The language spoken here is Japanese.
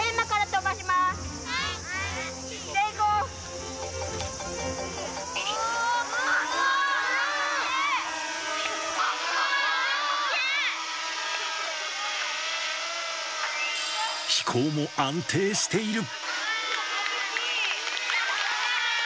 飛行も安定している。